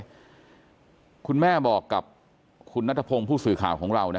ลูกสาวด้วยคุณแม่บอกกับคุณนัทพงศ์ผู้สื่อข่าวของเรานะ